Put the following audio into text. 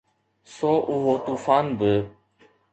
سو اهو طوفان به.